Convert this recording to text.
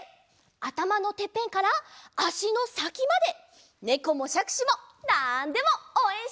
あたまのてっぺんからあしのさきまでねこもしゃくしもなんでもおうえんしますよ！